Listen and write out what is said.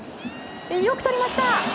よくとりました！